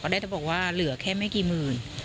ได้แต่บอกว่าเหลือแค่ไม่กี่หมื่น